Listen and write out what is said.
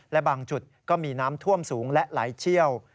และบางจุดก็มีน้ำท่วมสูงและไหลเชี่ยว